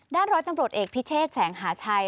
ด้านรถตำรวจเอกพิเศษแสงหาชัย